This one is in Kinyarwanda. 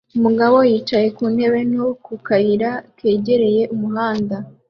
Umugabo yicaye ku ntebe nto ku kayira kegereye umuhanda